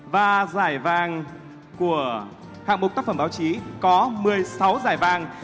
và giải vàng của hạng mục tác phẩm báo chí có một mươi sáu giải vàng